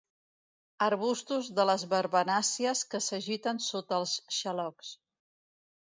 Arbustos de les verbenàcies que s'agiten sota els xalocs.